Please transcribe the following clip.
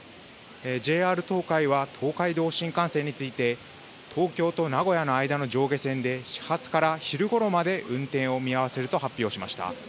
ＪＲ東海は、東海道新幹線について、東京と名古屋の間の上下線で、始発から昼ごろまで運転を見合わせると発表しました。